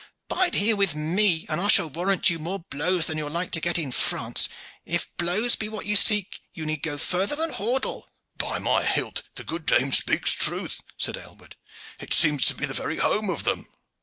"Bide here with me, and I shall warrant you more blows than you are like to get in France. If blows be what you seek, you need not go further than Hordle." "By my hilt! the good dame speaks truth," said Aylward. "It seems to be the very home of them."